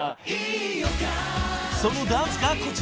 ［そのダンスがこちら］